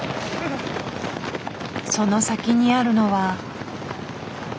その先にあるのは。